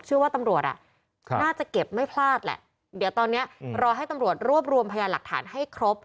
ว่าตำรวจอ่ะน่าจะเก็บไม่พลาดแหละเดี๋ยวตอนเนี้ยรอให้ตำรวจรวบรวมพยานหลักฐานให้ครบ